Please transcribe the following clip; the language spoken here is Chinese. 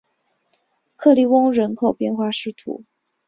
克利翁人口变化图示